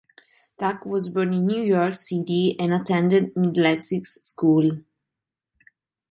Tuck was born in New York City and attended Middlesex School.